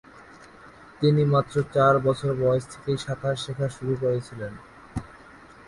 তিনি মাত্র চার বছর বয়স থেকেই সাঁতার শেখা শুরু করেছিলেন।